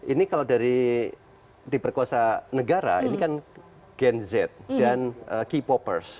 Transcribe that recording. ini kalau dari diperkuasa negara ini kan gen z dan k popers